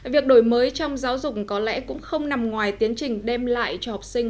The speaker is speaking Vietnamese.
việc đổi mới trong giáo dục có lẽ cũng không nằm ngoài tiến trình đem lại cho học sinh